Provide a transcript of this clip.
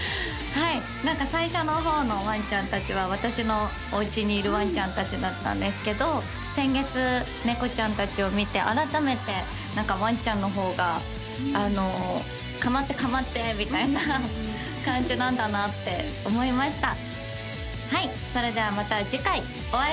はい何か最初の方のワンちゃん達は私のおうちにいるワンちゃん達だったんですけど先月ネコちゃん達を見て改めてワンちゃんの方が「かまってかまって！」みたいな感じなんだなって思いました